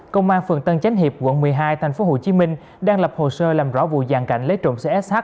công an phường tân chánh hiệp quận một mươi hai tp hcm đang lập hồ sơ làm rõ vụ giàn cảnh lấy trộm xe sh